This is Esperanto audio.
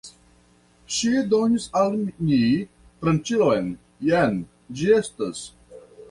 Ŝi donis al ni tranĉilon, jen ĝi estas!